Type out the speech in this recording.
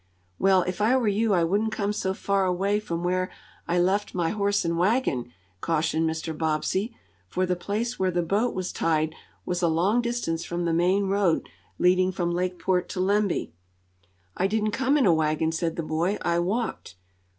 "Well, if I were you I wouldn't come so far away from where I left my horse and wagon," cautioned Mr. Bobbsey, for the place where the boat was tied was a long distance from the main road leading from Lakeport to Lemby. "I didn't come in a wagon," said the boy. "I walked."